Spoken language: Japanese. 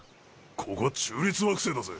ここは中立惑星だぜ。